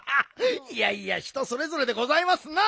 いやいや人それぞれでございますな。